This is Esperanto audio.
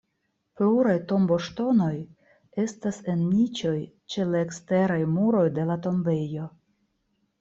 Pluraj tomboŝtonoj estas en niĉoj ĉe la eksteraj muroj de la tombejo.